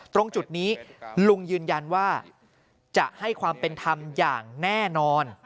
ตรงจุดนี้ลุงยืนยันว่าจะให้ความเป็นธรรมอย่างแน่นอน